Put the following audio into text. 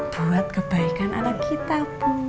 buat kebaikan anak kita